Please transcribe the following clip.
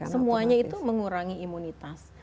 semuanya itu mengurangi imunitas